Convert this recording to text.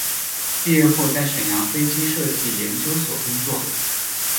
毕业后在沈阳飞机设计研究所工作。